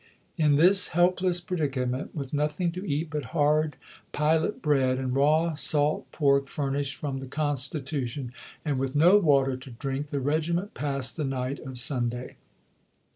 In this helpless predica ment, with nothing to eat but hard pilot bread and raw salt pork furnished from the Constitution^ and with no water to drink, the regiment passed the night of Sunday.